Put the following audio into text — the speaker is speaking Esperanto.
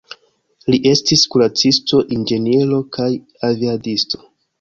Li estis kuracisto, inĝeniero kaj aviadisto.